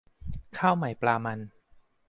ข้าวใหม่ปลามัน